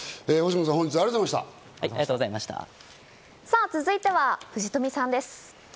さあ続いては藤富さんです。